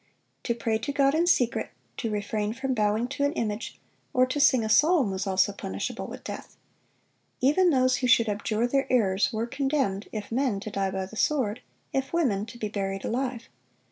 To pray to God in secret, to refrain from bowing to an image, or to sing a psalm, was also punishable with death. Even those who should abjure their errors, were condemned, if men, to die by the sword; if women, to be buried alive.